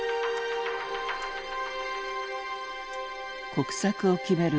国策を決める